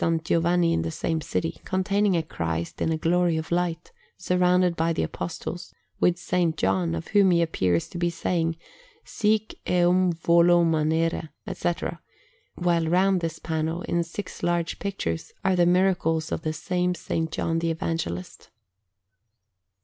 Giovanni in the same city, containing a Christ in a glory of light, surrounded by the Apostles, with S. John, of whom He appears to be saying, "Sic eum volo manere," etc.; while round this panel, in six large pictures, are the miracles of the same S. John the Evangelist.